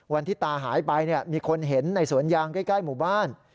วันที่ตาหายไปมีคนเห็นในสวนยางใกล้หมู่บ้าน